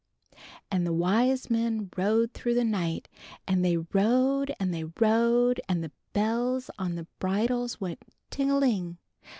"An' the wise men rode through the night, an' they rode an' they rode, an' the bells on the bridles went ting a ling!